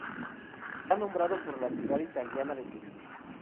Está nombrado por la ciudad italiana de Turín.